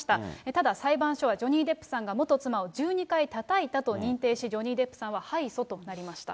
ただ裁判所はジョニー・デップさんがアンバーさんを１２回たたいたと認定し、ジョニー・デップさんは敗訴となりました。